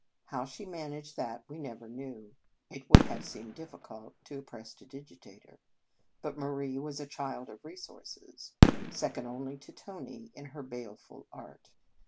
How she managed this we never knew (it would have seemed difficult to a prestidigitator), but Marie was a child of resources, second only to Tony in every baleful art.